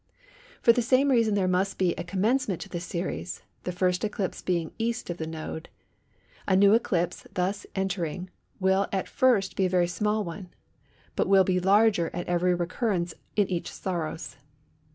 For the same reason there must be a commencement to the series, the first eclipse being E. of the node. A new eclipse thus entering will at first be a very small one, but will be larger at every recurrence in each Saros.